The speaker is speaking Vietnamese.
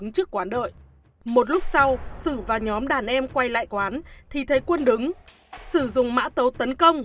trước quán đợi một lúc sau sử và nhóm đàn em quay lại quán thì thấy quân đứng sử dùng mã tấu tấn công